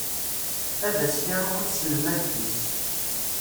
Ad as-yaru i tselmadt-is.